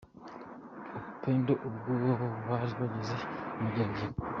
Upendo ubwo bari bageze i Mageragere.